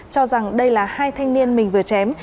cho rằng đây là hai thanh niên mình vừa chém